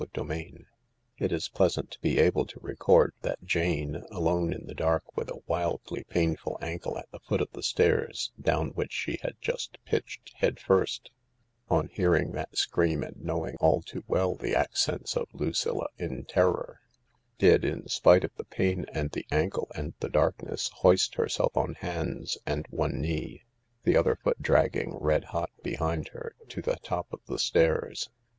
CHAPTER V It is pleasant to be able to record that Jane, alone in the dark with a wildly painful ankle at the foot of the stairs down which she had just pitched head first, on hearing that scream and knowing all too well the accents of Lucilla in terror, did, in spite of the pain and the ankle and the dark ness, hoist herself on hands and one knee, the other foot dragging red hot behind her, to the top of the stairs.